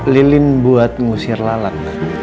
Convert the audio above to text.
lilin buat ngusir lalat